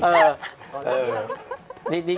รักกูจริง